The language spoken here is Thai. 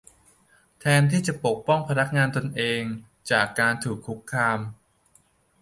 แทนที่จะปกป้องพนักงานตัวเอง จากการถูกคุกคาม